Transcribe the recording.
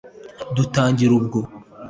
dutangira ubwo